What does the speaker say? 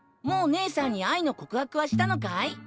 もう姉さんに愛の告白はしたのかい？